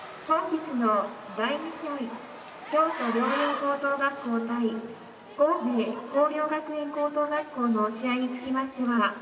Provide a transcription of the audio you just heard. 「本日の第２試合京都両洋高等学校対神戸弘陵学園高等学校の試合につきましては」